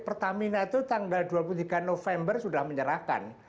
pertamina itu tanggal dua puluh tiga november sudah menyerahkan